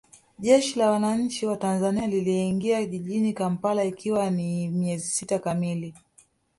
Jeshi la Wananchi wa Tanzania liliingia jijini Kampala ikiwa ni miezi sita kamili